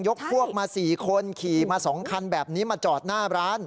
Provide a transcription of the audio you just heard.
พวกมา๔คนขี่มา๒คันแบบนี้มาจอดหน้าร้าน